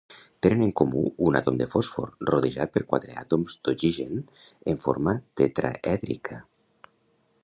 Tenen en comú un àtom de fòsfor rodejat per quatre àtoms d'oxigen en forma tetraèdrica.